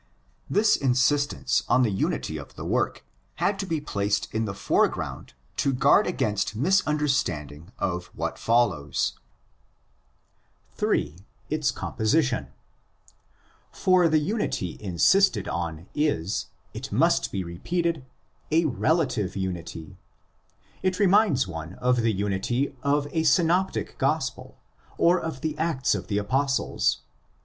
This insistence on the unity of the work had to be placed in the foreground to guard against misunder standing of what follows. 8.—Its CoMPosITION. For the unity insisted on is, it must be repeated, 8 relative unity. It reminds one of the unity of a Synoptic Gospel or of the Acts of the Apostles.